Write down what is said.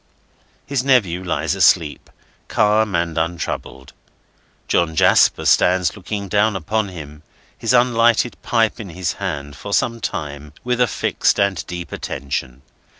His nephew lies asleep, calm and untroubled. John Jasper stands looking down upon him, his unlighted pipe in his hand, for some time, with a fixed and deep attention.